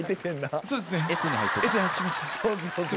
「そうですね」